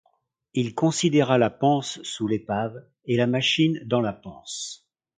Il considéra la panse sous l’épave, et la machine dans la panse.